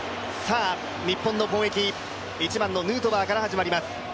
日本の攻撃、１番のヌートバーから始まります。